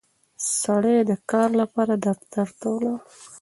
سړی د کار لپاره دفتر ته ولاړ